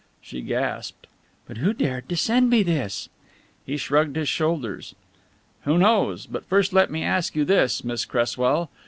She gasped. "But who dared to send me this?" He shrugged his shoulders. "Who knows? But first let me ask you this, Miss Cresswell.